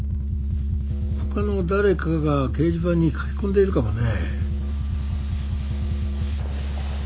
他の誰かが掲示板に書き込んでいるかもね。